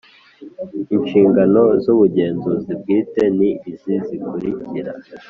Inshingano z ubugenzuzi bwite ni izi zikurikira